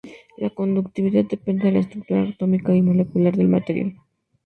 La conductividad depende de la estructura atómica y molecular del material.